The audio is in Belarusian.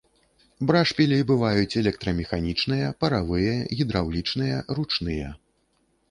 Брашпілі бываюць электрамеханічныя, паравыя, гідраўлічныя, ручныя.